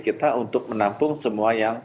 kita untuk menampung semua yang